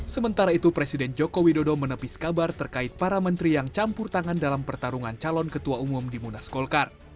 sementara itu presiden joko widodo menepis kabar terkait para menteri yang campur tangan dalam pertarungan calon ketua umum di munas golkar